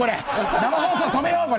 生放送、止めよう、これ。